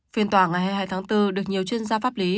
phiên tòa ngày hai mươi hai tháng bốn được nhiều chuyên gia pháp lý